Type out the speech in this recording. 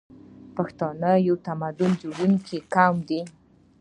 پښتون یو تمدن جوړونکی قوم دی.